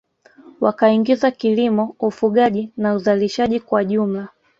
Wakaingiza kilimo ufugaji na uzalishaji kwa jumla